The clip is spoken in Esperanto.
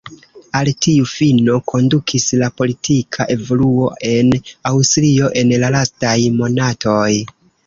Al tiu fino kondukis la politika evoluo en Aŭstrio en la lastaj monatoj.